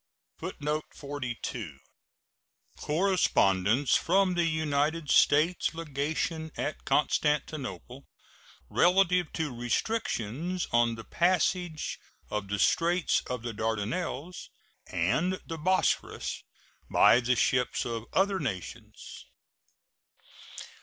[Footnote 42: Correspondence from the United States legation at Constantinople relative to restrictions on the passage of the straits of the Dardanelles and the Bosphorus by the ships of other nations.